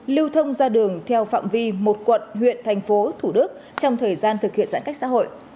lưu thông ra đường theo phạm vi một quận huyện thành phố thủ đức trong thời gian thực hiện giãn cách xã hội